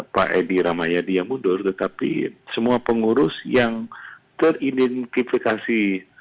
pak edi ramayadi yang mundur tetapi semua pengurus yang teridentifikasi